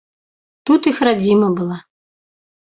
Тут іх радзіма была.